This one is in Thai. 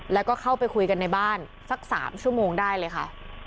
แล้วก็เข้าไปคุยกันในบ้านสัก๓ชั่วโมงได้เลยค่ะ